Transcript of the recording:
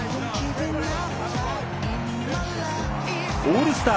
オールスター